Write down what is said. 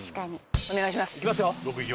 お願いします！